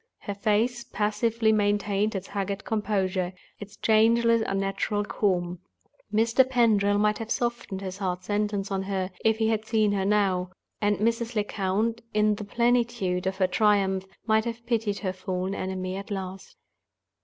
Her face passively maintained its haggard composure, its changeless unnatural calm. Mr. Pendril might have softened his hard sentence on her, if he had seen her now; and Mrs. Lecount, in the plenitude of her triumph, might have pitied her fallen enemy at last.